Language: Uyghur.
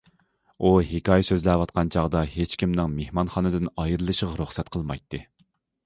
ئۇ ھېكايە سۆزلەۋاتقان چاغدا ھېچكىمنىڭ مېھمانخانىدىن ئايرىلىشىغا رۇخسەت قىلمايتتى.